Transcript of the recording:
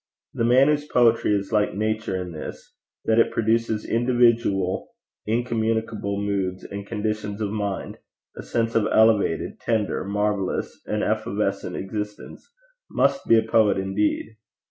The man whose poetry is like nature in this, that it produces individual, incommunicable moods and conditions of mind a sense of elevated, tender, marvellous, and evanescent existence, must be a poet indeed.